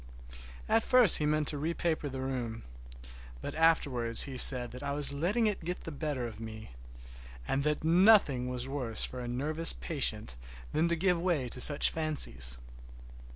At first he meant to repaper the room, but afterwards he said that I was letting it get the better of me, and that nothing was worse for a nervous patient than to give way to such fancies.